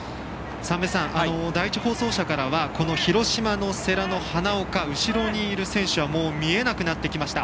第１放送車からは広島の世羅の花岡後ろにいる選手は見えなくなってきました。